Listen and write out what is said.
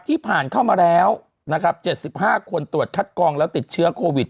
ที่ผ่านมาเข้ามาแล้วนะครับ๗๕คนตรวจคัดกองแล้วติดเชื้อโควิด